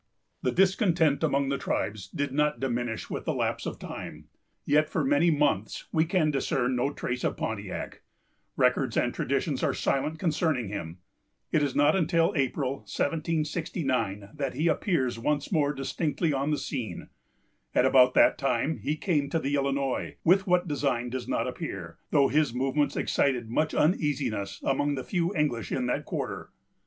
The discontent among the tribes did not diminish with the lapse of time; yet for many months we can discern no trace of Pontiac. Records and traditions are silent concerning him. It is not until April, 1769, that he appears once more distinctly on the scene. At about that time he came to the Illinois, with what design does not appear, though his movements excited much uneasiness among the few English in that quarter.